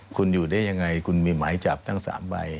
คุณอยู่ได้ยังไงคุณมีหมายจับทั้ง๓ใบ